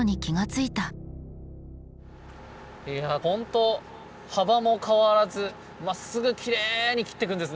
いやほんと幅も変わらずまっすぐきれいに切っていくんですね。